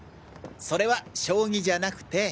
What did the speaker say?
それは将棋じゃなくて。